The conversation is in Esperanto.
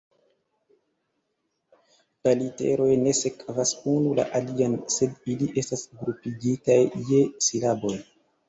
La literoj ne sekvas unu la alian, sed ili estas grupigitaj je silaboj.